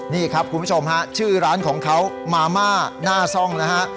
นี่ครับคุณผู้ชมฮะชื่อร้านของเขามาม่าหน้าซ่องนะฮะ